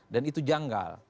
dan itu janggal